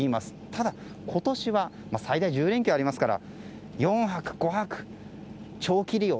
ただ、今年は最大１０連休ありますから４泊、５泊の長期利用。